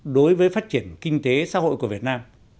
đối với phát triển kinh tế xã hội của việt nam